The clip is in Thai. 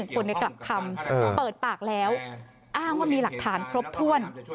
คนกลับคำเปิดปากแล้วอ้างว่ามีหลักฐานครบถ้วน